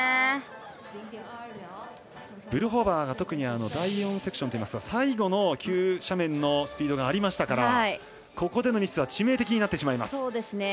ブルホバーが特に第４セクションといいますか最後の急斜面のスピードがありましたからここでのミスは致命的になってしまいます。